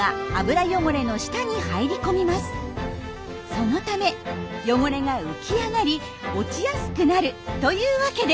そのため汚れが浮き上がり落ちやすくなるというわけです。